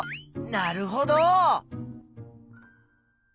なるほど。